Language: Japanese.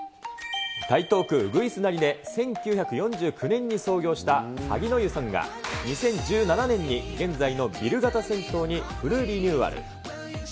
台東区鶯谷で１９４９年に創業した萩の湯さんが、２０１７年に現在のビル型銭湯にフルリニューアル。